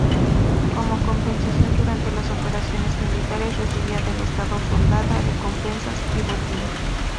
Como compensación durante las operaciones militares recibía del Estado soldada, recompensas y botín.